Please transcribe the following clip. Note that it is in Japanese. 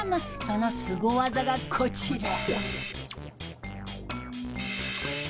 そのスゴ技がこちら。